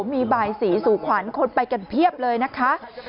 มีบายสีสู่ขวัญคนไปกันเพียบเลยนะคะ